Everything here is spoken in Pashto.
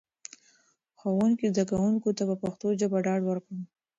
ښوونکي زده کوونکو ته په پښتو ژبه ډاډ ورکړ.